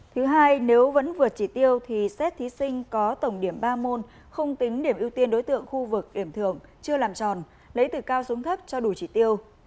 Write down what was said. thứ hai nếu vẫn vượt chỉ tiêu thì xét thí sinh có tổng điểm ba môn không tính điểm ưu tiên đối tượng khu vực điểm thưởng chưa làm tròn lấy từ cao xuống thấp cho đủ chỉ tiêu